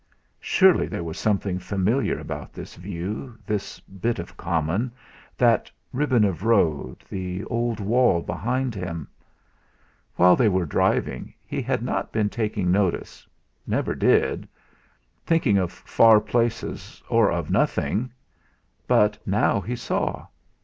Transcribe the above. Surely there was something familiar about this view, this bit of common, that ribbon of road, the old wall behind him. While they were driving he had not been taking notice never did; thinking of far things or of nothing but now he saw!